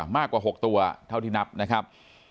มากกว่า๖ตัวเท่าที่นับนะครับ